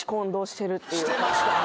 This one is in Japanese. してましたね。